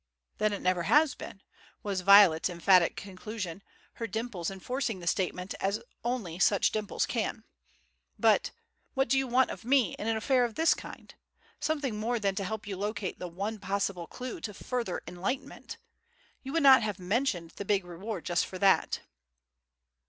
"Then it never has been," was Violet's emphatic conclusion, her dimples enforcing the statement as only such dimples can. "But what do you want of me in an affair of this kind? Something more than to help you locate the one possible clue to further enlightenment. You would not have mentioned the big reward just for that."